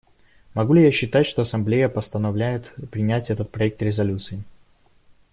Могу ли я считать, что Ассамблея постановляет принять этот проект резолюции?